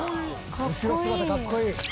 「後ろ姿かっこいい！」